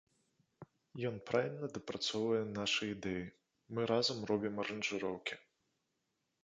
Ён правільна дапрацоўвае нашы ідэі, мы разам робім аранжыроўкі.